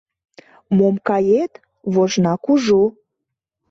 Мом кает — вожна кужу.